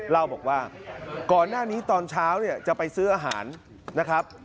เล่าบอกว่าก่อนหน้านี้ตอนเช้าเนี่ยจะไปซื้ออาหารนะครับ